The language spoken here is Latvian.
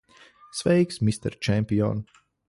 Sveiks, mister čempion!